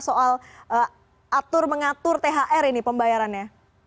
soal atur mengatur thr ini pembayarannya